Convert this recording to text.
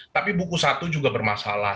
tapi buku satu juga bermasalah